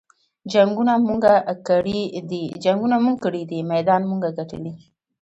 جنګــــونه مونږه کـــــــــړي دي مېدان مونږه ګټلے